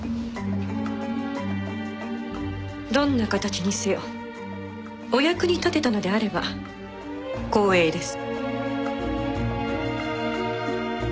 どんな形にせよお役に立てたのであれば光栄です。